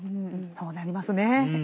そうなりますね。